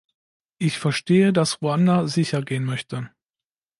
Ich verstehe, dass Ruanda sichergehen möchte.